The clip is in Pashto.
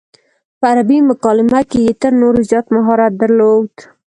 په عربي مکالمه کې یې تر نورو زیات مهارت درلود.